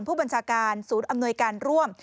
ผู้บัญชาการศูนย์อำนวยการร่วม